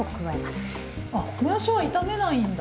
あもやしは炒めないんだ！